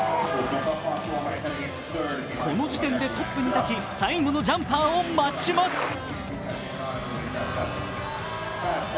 この時点でトップに立ち最後のジャンパーを待ちます。